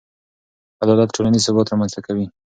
عدالت ټولنیز ثبات رامنځته کوي.